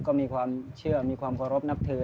ก็มีความเชื่อมีความเคารพนับถือ